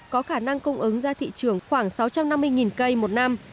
có khả năng cung ứng ra thị trường khoảng sáu trăm năm mươi cây một năm